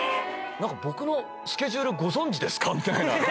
僕のスケジュールご存じですか？みたいな。